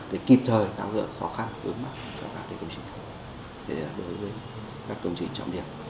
để kịp thời tháo dựa khó khăn ướng mắt cho các công trình trọng điểm